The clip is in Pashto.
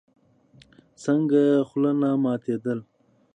څنگه يې خوله نه ماتېدله.